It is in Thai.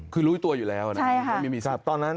คือรู้ตัวอยู่แล้วนะไม่มีสิทธิ์ใช่ค่ะ